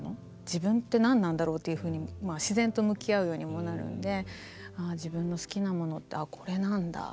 自分って何なんだろうっていうふうに自然と向き合うようにもなるんで「ああ自分の好きなものってこれなんだ。